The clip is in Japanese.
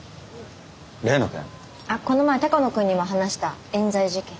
あっこの前鷹野君にも話したえん罪事件。